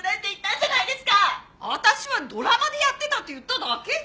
私はドラマでやってたって言っただけじゃん！